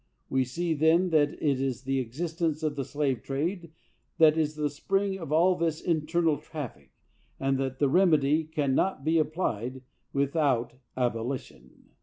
We see then that it is the existence of the slave trade that is the spring of all this infernal traffic, and that the remedy can not be applied without abo lition.